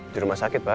di rumah sakit pak